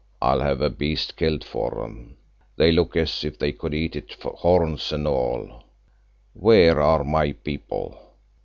I'll have a beast killed for them; they look as if they could eat it, horns and all. Where are my people?